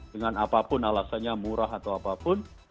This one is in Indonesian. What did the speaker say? dengan apapun alasannya murah atau apapun